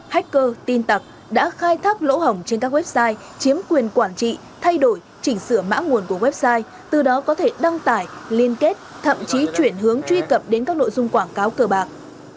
hacker tin tặc đã khai thác lỗ hỏng trên các website chiếm quyền quản trị thay đổi chỉnh sửa mã nguồn của website từ đó có thể đăng tải liên kết thậm chí chuyển hướng truy cập đến các nội dung quảng cáo cờ bạc